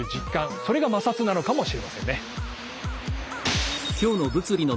それが摩擦なのかもしれませんね。